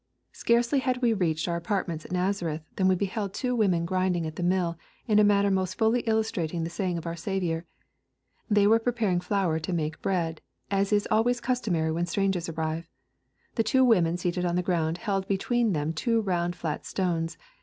*' Scarcely had we reached our apartments at Nazareth, than we beheld two women grinding at the mill, in a manner most fully illustrating the saying of our Saviour. They were preparing flour to make bread, as is always customary when strangers arrive. The two women seated on the ground held between them two round flat stones.